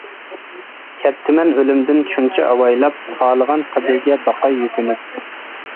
كەپتىمەن ئۆلۈمدىن شۇنچە ئاۋايلاپ، خالىغان قەبرىگە باقاي يۈكۈنۈپ.